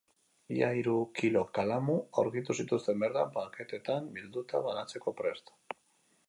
Ia hiru kilo kalamu aurkitu zituzten bertan paketetan bilduta, banatzeko prest.